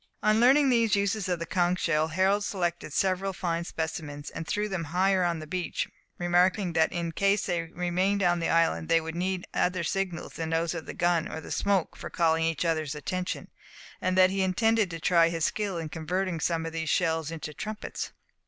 On learning these uses of the conch shell, Harold selected several fine specimens, and threw them higher on the beach, remarking, that in case they remained upon the island they would need other signals than those of the gun or the smoke for calling each other's attention; and that he intended to try his skill in converting some of these shells into trumpets.